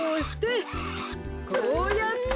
こうやって。